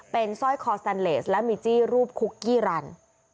เป็นสร้อยคอแซนเลสและมีจี้รูปคุกกี้รัน